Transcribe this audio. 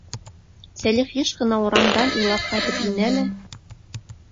Сәлих йыш ҡына урамдан илап ҡайтып инә лә: